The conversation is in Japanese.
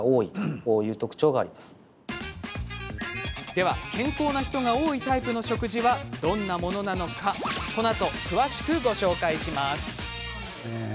では健康な人が多いタイプの食事は、どんなものなのかこのあと詳しくご紹介します。